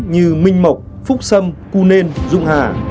như minh mộc phúc sâm cunên dung hà